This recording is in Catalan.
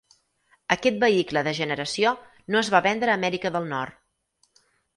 Aquest vehicle de generació no es va vendre a Amèrica del Nord.